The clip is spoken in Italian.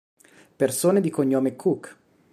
Persone di cognome Cook